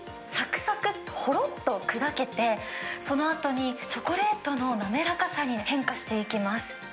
さくさく、ほろっと砕けて、そのあとにチョコレートの滑らかさに変化していきます。